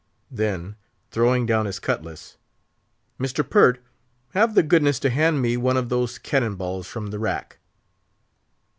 Then, throwing down his cutlass, "Mr. Pert, have the goodness to hand me one of those cannon balls from the rack."